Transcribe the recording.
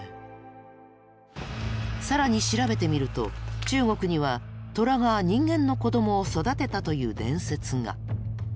更に調べてみると中国にはトラが人間の子どもを育てたという伝説が。